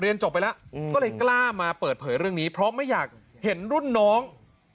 จบไปแล้วก็เลยกล้ามาเปิดเผยเรื่องนี้เพราะไม่อยากเห็นรุ่นน้อง